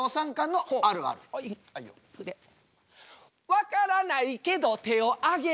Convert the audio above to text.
分からないけど手を挙げる。